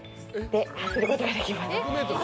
走ることができます。